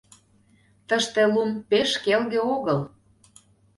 Тыште лум пеш келге огыл.